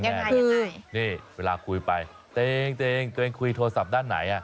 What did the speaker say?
ยังไงนี่เวลาคุยไปเต็งตัวเองคุยโทรศัพท์ด้านไหนอ่ะ